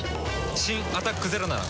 新「アタックＺＥＲＯ」なら。